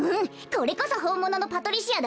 これこそほんもののパトリシアだわ。